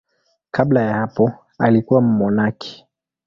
Kabla ya hapo alikuwa mmonaki.